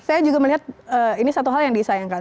saya juga melihat ini satu hal yang disayangkan